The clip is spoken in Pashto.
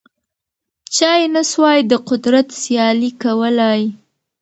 چا یې نه سوای د قدرت سیالي کولای